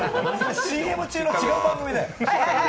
ＣＭ中の違う番組だよ。